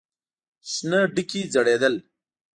شنه ډکي ځړېدل.